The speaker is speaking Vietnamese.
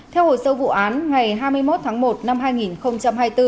theo hồ sơ vụ án ngày hai mươi một tháng một năm hai nghìn hai mươi bốn